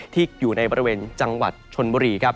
ที่อยู่ในบริเวณจังหวัดชนบุรีครับ